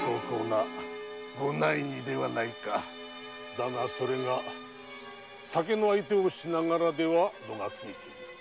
だがそれが酒の相手をしながらでは度が過ぎている。